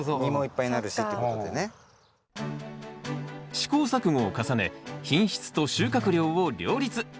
試行錯誤を重ね品質と収穫量を両立。